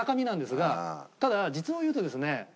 ただ実を言うとですね